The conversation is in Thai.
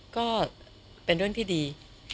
ก็เป็นเรื่องที่ดี